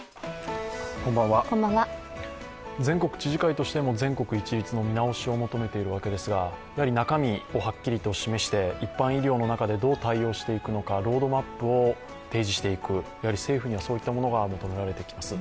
全国知事会としても全国一律の見直しを求めているわけですが中身をはっきりと示して、一般医療の中でどう対応していくのかロードマップを提示していく、政府にはそういったものが求められてきます。